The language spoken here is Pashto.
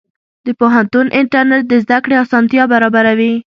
د پوهنتون انټرنېټ د زده کړې اسانتیا برابروي.